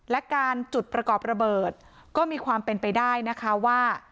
และการจุดประกอบระเบิดก็มีความเป็นไปได้นะคะว่า